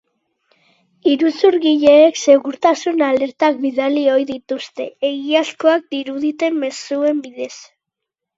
Iruzurgileek segurtasun alertak bidali ohi dituzte egiazkoak diruditen mezuen bidez.